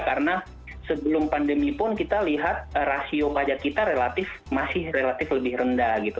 karena sebelum pandemi pun kita lihat rasio pajak kita relatif masih relatif lebih rendah gitu